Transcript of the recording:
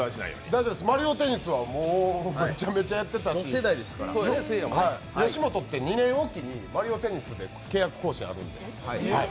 大丈夫です、「マリオテニス」はめちゃめちゃやってたし、吉本って２年おき「マリオテニス」で契約更新あるんで。